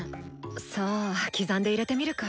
さぁ刻んで入れてみるか。